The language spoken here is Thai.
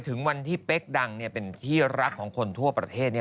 ถึงวันที่เป๊กดังเป็นที่รักของคนทั่วประเทศ